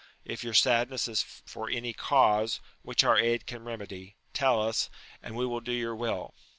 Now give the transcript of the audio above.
if your sadness is for any cause which our aid can remedy, tell us, and we will do your will.